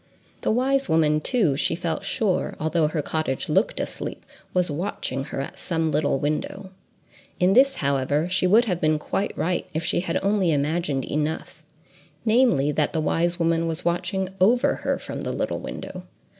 The wise woman, too, she felt sure, although her cottage looked asleep, was watching her at some little window. In this, however, she would have been quite right, if she had only imagined enough—namely, that the wise woman was watching over her from the little window.